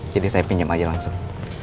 jadi saya pinjam aja langsung